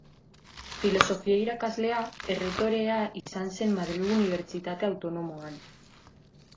Filosofia irakaslea, erretorea izan zen Madrilgo Unibertsitate Autonomoan.